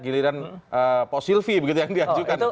giliran pak silvi begitu yang diajukan